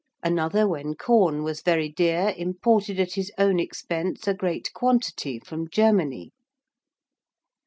Another when corn was very dear imported at his own expense a great quantity from Germany.